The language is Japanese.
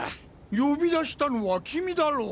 呼び出したのはキミだろう！